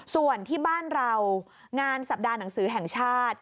ส่วนที่บ้านเรางานสัปดาห์หนังสือแห่งชาติ